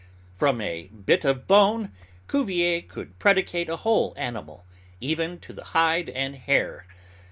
From a bit of bone, Cuvier could predicate a whole animal, even to the hide and hair.